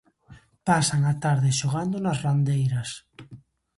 Pasan a tarde xogando nas randeeiras.